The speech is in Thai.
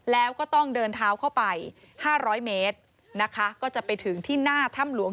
แล้วก็ต้องเดินเท้าเข้าไปห้าร้อยเมตรนะคะก็จะไปถึงที่หน้าถ้ำหลวง